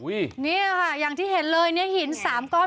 อุ้ยเนี่ยค่ะอย่างที่เห็นเลยเนี่ยหินสามก้อน